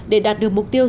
để đạt được mục tiêu